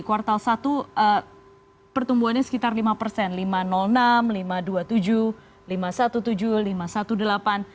kuartal satu pertumbuhannya sekitar lima persen